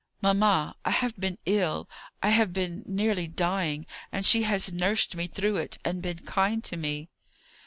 "Mamma, I have been ill; I have been nearly dying; and she has nursed me through it, and been kind to me."